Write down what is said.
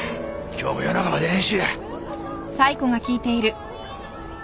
今日も夜中まで練習や。